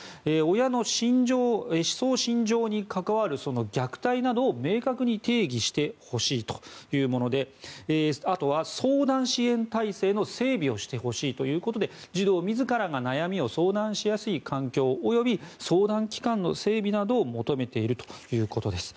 親の思想・信条に関わる虐待などを明確に定義してほしいというものであとは相談支援体制の整備をしてほしいということで児童自らが悩みを相談しやすい環境および相談機関の整備などを求めているということです。